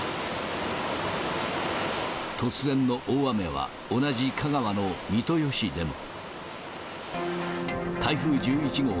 突然の大雨は、同じ香川の三豊市でも。